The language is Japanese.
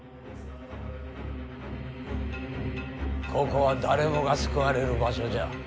ここは誰もが救われる場所じゃ。